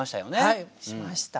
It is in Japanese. はいしました。